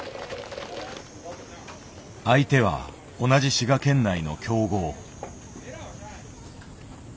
相手は同じ滋賀県内の強豪。